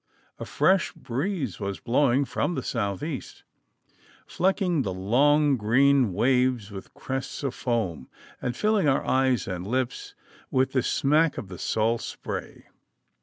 A fresh breeze was blowing from the south east, flecking the long green waves with crests of foam, and filling our eyes and lips with the smack of the salt spray.